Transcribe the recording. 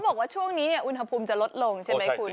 บอกว่าช่วงนี้อุณหภูมิจะลดลงใช่ไหมคุณ